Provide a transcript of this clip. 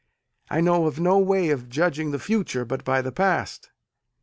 I know of no way of judging of the future but by the past.